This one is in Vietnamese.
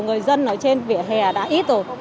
người dân ở trên vỉa hè đã ít rồi